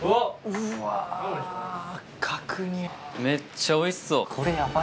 めっちゃおいしそう。